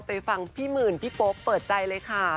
ฟังพี่หมื่นพี่โป๊ปเปิดใจเลยค่ะ